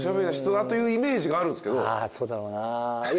あそうだろうな。